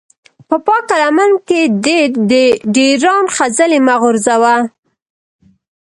په پاکه لمن کې دې د ډېران خځلې مه غورځوه.